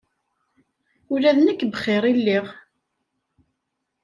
Ula d nekk bxir i lliɣ.